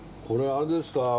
これあれですか？